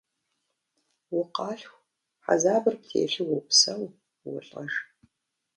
Укъалъху, хьэзабыр птелъу уопсэу, уолӏэж.